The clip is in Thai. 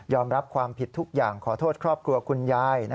รับความผิดทุกอย่างขอโทษครอบครัวคุณยาย